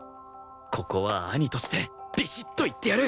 ここは兄としてビシッと言ってやる！